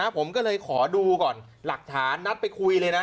ผมก็เลยขอดูก่อนหลักฐานนัดไปคุยเลยนะ